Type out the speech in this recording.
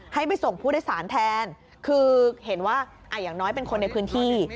ให้ไปส่งผู้โดยสารแทนคือเห็นว่าอย่างน้อยเป็นคนในพื้นที่